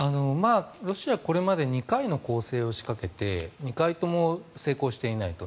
ロシアこれまで２回の攻勢を仕掛けて２回とも成功していないと。